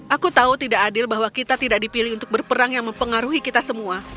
aku tahu tidak adil bahwa kita tidak dipilih untuk berperang yang mempengaruhi kita semua